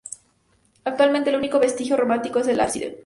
Actualmente, el único vestigio románico es el ábside.